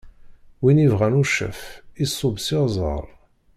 Win ibɣan ucaf, iṣubb s iɣzeṛ!